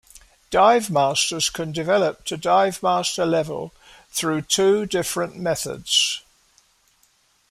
Divemasters can develop to Divemaster level through two different methods.